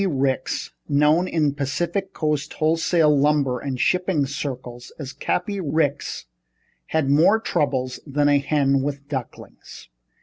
Ricks, known in Pacific Coast wholesale lumber and shipping circles as Cappy Ricks, had more troubles than a hen with ducklings.